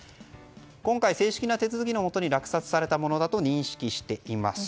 今回、正式な手続きのもとに落札されたものと認識しています。